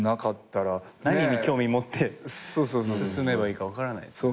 何に興味持って進めばいいか分からないですよね。